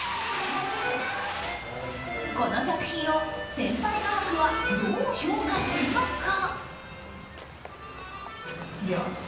この作品を先輩画伯はどう評価するのか。